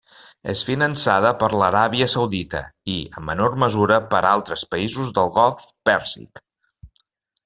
És finançada per l'Aràbia Saudita i en menor mesura per altres països del Golf Pèrsic.